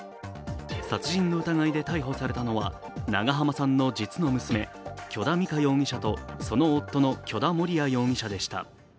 殺人の疑いで逮捕されたのは長濱さんの実の娘、許田美香容疑者とその夫の許田盛哉容疑者でした。